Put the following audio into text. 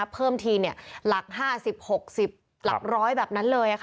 เพิ่มทีหลัก๕๐๖๐หลัก๑๐๐แบบนั้นเลย